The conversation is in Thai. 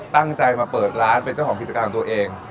ตั้งใจมาเปิดร้านเป็นเจ้าของกิจการของตัวเอง